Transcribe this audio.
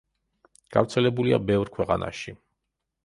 გავრცელებულია ბევრ ქვეყანაში.